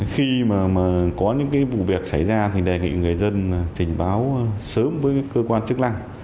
khi có những vụ việc xảy ra đề nghị người dân trình báo sớm với cơ quan chức năng